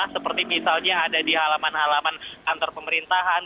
seperti misalnya ada di halaman halaman kantor pemerintahan